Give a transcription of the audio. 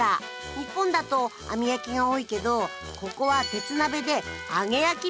日本だと網焼きが多いけどここは鉄鍋で揚げ焼きっぽいんですね。